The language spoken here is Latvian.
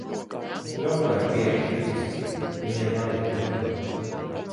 Domāju, piekritīs. Viņiem vajag tevi.